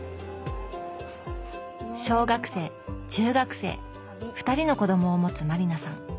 小学生・中学生２人の子どもを持つ満里奈さん。